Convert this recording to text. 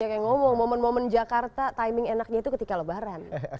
yang ngomong momen momen jakarta timing enaknya itu ketika lebaran